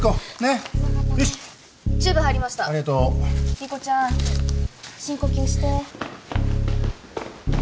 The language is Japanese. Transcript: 莉子ちゃん深呼吸して。